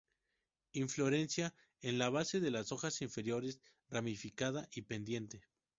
Inflorescencia en la base de las hojas inferiores, ramificada y pendiente.